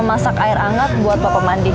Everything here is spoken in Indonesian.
sama masak air anget buat papa mandi